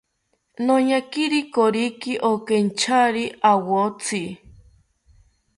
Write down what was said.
Noñakiri koriki okeinchari awotzi